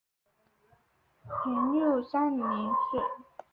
元佑三年卒。